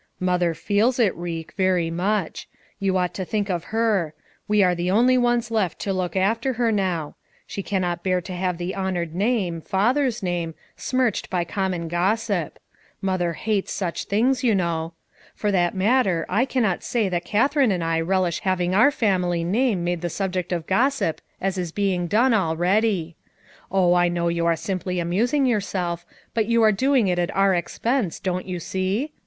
"Mother feels it, Reck, very much. You ought to think of her; we arc the only ones left to look after her now. She cannot bear to have the honored name, father's name, smirched by common gossip; Mother hates such things, you know. For that matter I cannot say that Katherine and I relish having our 148 FOUR MOTHERS AT CHAUTAUQUA family name made the subject of gossip as is being done already. Ob, I know you are simply amusing yourself, but you are doing it at our expense, don't you see?